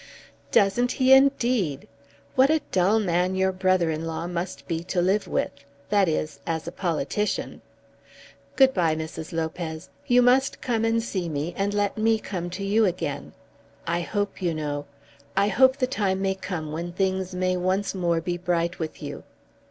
"Doesn't he indeed! What a dull man your brother in law must be to live with, that is as a politician! Good bye, Mrs. Lopez. You must come and see me and let me come to you again. I hope, you know, I hope the time may come when things may once more be bright with you."